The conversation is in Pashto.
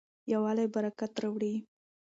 یووالی برکت راوړي.